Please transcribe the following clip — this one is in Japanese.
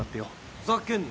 ふざけんなよ。